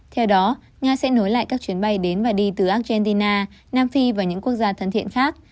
theo đó nga sẽ nối lại các chuyến bay đến và đi từ argentina nam phi và những quốc gia thân thiện khác